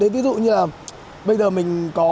ví dụ như là bây giờ mình có